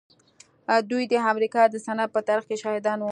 دوی د امريکا د صنعت په تاريخ کې شاهدان وو.